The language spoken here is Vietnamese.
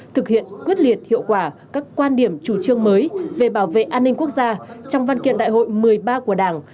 thực hiện quyết liệt hiệu quả các quan điểm chủ trương mới về bảo vệ an ninh quốc gia trong văn kiện đại hội một mươi ba của đảng